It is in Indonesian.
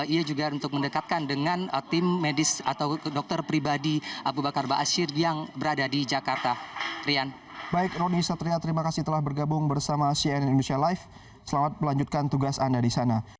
ia juga untuk mendekatkan dengan tim medis atau dokter pribadi abu bakar ⁇ asyir ⁇ yang berada di jakarta